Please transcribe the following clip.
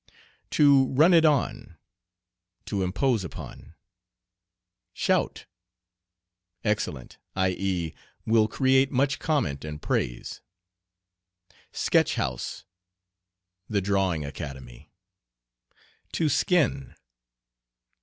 "To run it on." To impose upon. "Shout." Excellent, i.e., will create much comment and praise. "Sketch house." The Drawing Academy. "To skin."